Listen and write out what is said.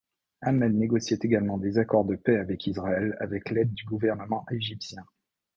Ahmed négociait également des accords de paix avec Israël avec l'aide du gouvernement égyptien.